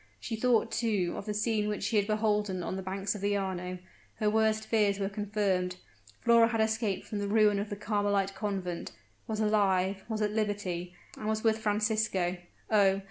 She thought, too, of the scene which she had beholden on the banks of the Arno her worst fears were confirmed; Flora had escaped from the ruin of the Carmelite convent was alive, was at liberty and was with Francisco! Oh!